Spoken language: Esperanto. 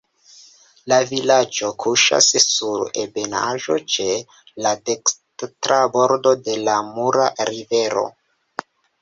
La vilaĝo kuŝas sur ebenaĵo, ĉe la dekstra bordo de la Mura Rivero.